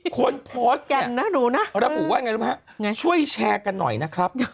คนโพสต์กันนะหนูนะระบุว่าไงรู้ไหมฮะช่วยแชร์กันหน่อยนะครับ